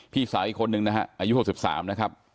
พี่สาวอีกคนนึงนะฮะอายุ๖๓นะครับ